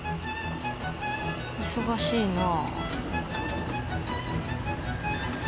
忙しいな。